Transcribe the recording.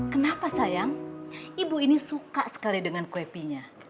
kenapa sayang ibu ini suka sekali dengan kue pinya